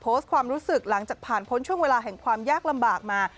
ความรู้สึกหลังจากผ่านพ้นช่วงเวลาแห่งความยากลำบากมา